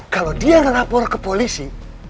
kalau dia melapor ke polisi